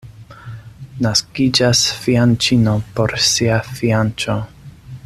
Naskiĝas fianĉino por sia fianĉo.